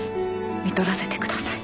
看取らせてください。